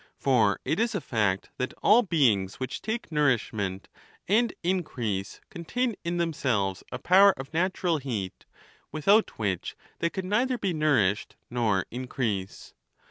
For it is a fact that all beings which take nourishment and increase contain in themselves a power of natural heat, without wi ich they could neither be nourished nor increase.